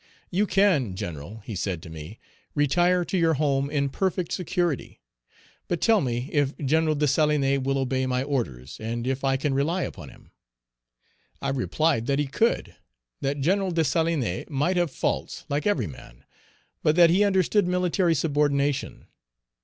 "You can, General," he said to me, "retire to your home in perfect security. But tell me if Gen. Dessalines will obey my orders, and if I can rely upon him?" I replied that he could; that Gen. Dessalines might have faults, like every man, but that he understood military subordination.